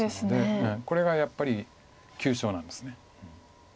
これがやっぱり急所なんです。